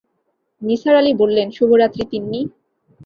নিসার আলি বললেন, শুভরাত্রি তিন্নি।